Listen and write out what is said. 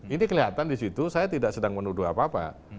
ini kelihatan disitu saya tidak sedang menuduh apa apa